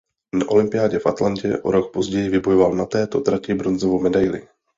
Na olympiádě v Atlantě o rok později vybojoval na této trati bronzovou medaili.